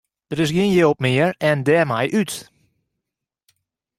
Der is gjin jild mear en dêrmei út.